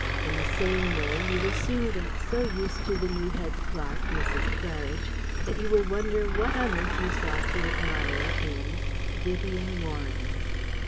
In the same way, you will soon get so used to the new Head Clerk, Mrs. Claridge, that you will wonder what on earth you saw to admire in VIVIEN WARREN.